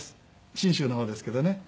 信州の方ですけどね。